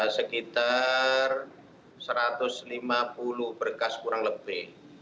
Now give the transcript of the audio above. sekitar satu ratus lima puluh berkas kurang lebih